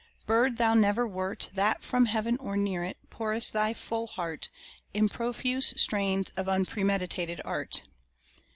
Bird thou never wert That from heaven or near it Pourest thy full heart In profuse strains of unpremeditated art.